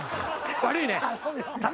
悪いね。